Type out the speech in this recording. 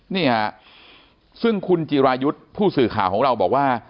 เนี่ยซึ่งคุณจิรายุทธ์ผู้สื่อข่าวของเราบอกว่า